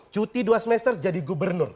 cuti dua semester jadi gubernur